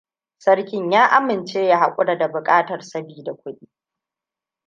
Sarkin ya amince ya haƙura da buƙatar sabida kudi.